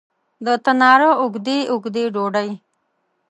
د تناره اوږدې، اوږدې ډوډۍ